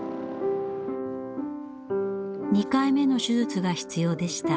２回目の手術が必要でした。